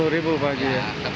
sepuluh ribu pak gia